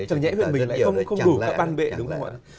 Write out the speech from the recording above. chẳng nhẽ mình lại không đủ các ban bệ đúng không ạ